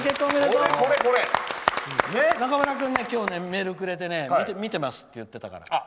中村君ね今日、メールをくれて見てますって言ってたから。